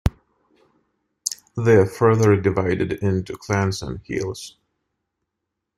They are further divided into clans or khels.